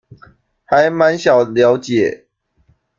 還滿想了解